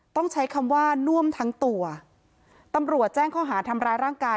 ต้องใช้คำว่าน่วมทั้งตัวตำรวจแจ้งข้อหาทำร้ายร่างกาย